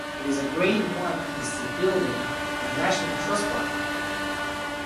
It is a Grade One listed building and a National Trust property.